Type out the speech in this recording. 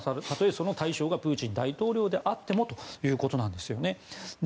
例えその対象がプーチン大統領であってもということなんですよね。